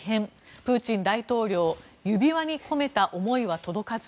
プーチン大統領指輪に込めた思いは届かず？